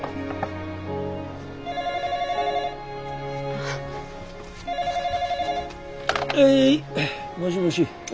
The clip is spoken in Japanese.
☎はいもしもし。